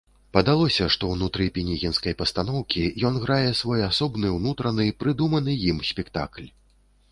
Падалося, што ўнутры пінігінскай пастаноўкі ён грае свой асобны ўнутраны, прыдуманы ім спектакль.